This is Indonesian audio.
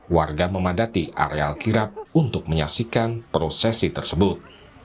warga memadati areal kirap untuk menyaksikan prosesi tersebut